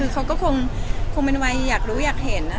เขาก็คงเป็นวัยอยากรู้อยากเห็น